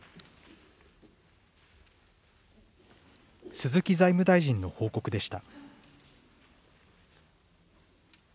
鈴木財務大臣の報告でした。